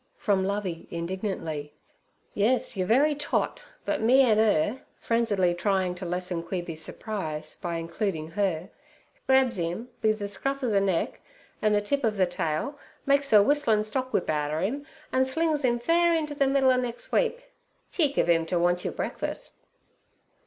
from Lovey indignantly. 'Yes, your very tot; but me an' 'er' frenziedly trying to lessen Queeby's surprise by including her, 'grabs 'im be ther scruff ov ther neck an' ther tip ov ther tail, makes er whistlin' stock whip outer 'im, an' slings 'im fair inter ther middle ov nex' week. Cheek ov 'im ter want your breakfuss.'